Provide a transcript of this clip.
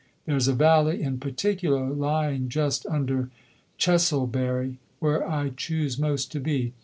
There's a valley in particular, lying just under Chesilbury, where I choose most to be.